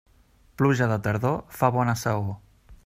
Pluja de tardor fa bona saó.